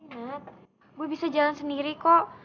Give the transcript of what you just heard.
nah gue bisa jalan sendiri kok